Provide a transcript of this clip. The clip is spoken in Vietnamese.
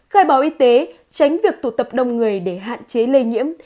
khai báo y tế tránh việc tụ tập đông người để hạn chế lây nhiễm